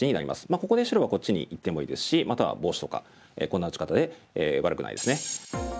ここで白はこっちにいってもいいですしまたはボウシとかこんな打ち方で悪くないですね。